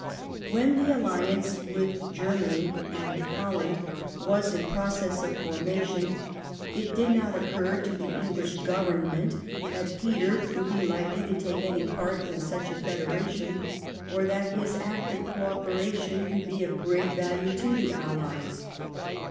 When the alliance with Germany and Holland was in process of formation it did not occur to the English Government that Peter would be likely to take any part in such a federation, or that his active co operation could be of great value to the Allies.